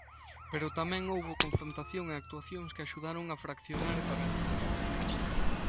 Pero tamén houbo confrontación e actuacións que axudaron a fraccionar e paralizar.